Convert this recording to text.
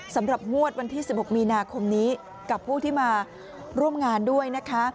สำหรับงวดวันที่๑๖มีนาคมนี้กับผู้ที่มาร่วมงานด้วยนะคะ